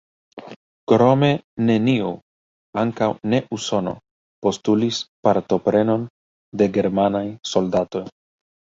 Krome neniu, ankaŭ ne Usono, postulis partoprenon de germanaj soldatoj.